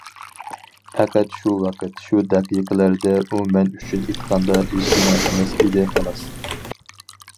پەقەت شۇ ۋاقىت شۇ دەقىقىلەردە ئۇ مەن ئۈچۈن ئېيتقاندا ھېچنېمە ئەمەس ئىدى خالاس.